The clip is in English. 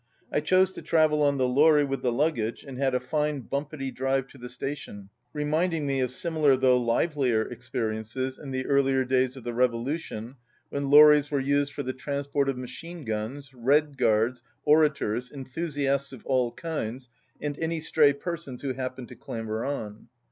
I chose to travel on the lorry with the luggage and had a fine bumpity drive to the station, reminding me of similar though livelier experiences in the earlier days of the revolution when lorries were used for the transport of machine guns, red guards, orators, enthusiasts of all kinds, and any stray per sons who happened to clamber on.